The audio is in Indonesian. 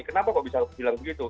kenapa kok bisa hilang begitu